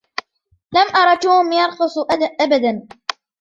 لم أرَ توم يرقص أبدا.